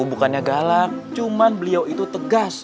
bukannya galak cuma beliau itu tegas